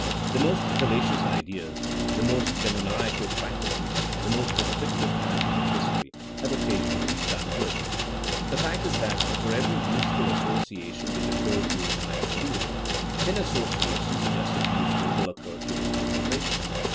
The most fallacious ideas, the most demoniacal practices, the most despicable characters of history, have occasion ally done good. The fact is that for every use ful association which occurs during mind wan dering, ten associations just as useful will occur during concentration.